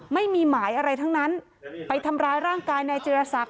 ไม่มีหมายอะไรทั้งนั้นไปทำร้ายร่างกายนายจิรษัก